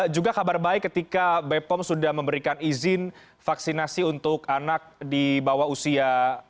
juga kabar baik ketika bepom sudah memberikan izin vaksinasi untuk anak di bawah usia